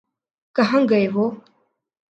کہاں گئے وہ؟